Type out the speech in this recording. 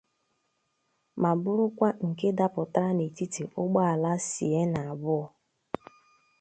ma bụrụkwa nke dapụtara n'etiti ụgbọala Sienna abụọ